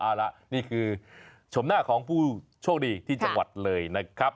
เอาละนี่คือชมหน้าของผู้โชคดีที่จังหวัดเลยนะครับ